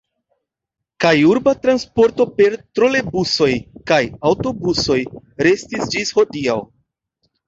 Kaj urba transporto per trolebusoj kaj aŭtobusoj restis ĝis hodiaŭ.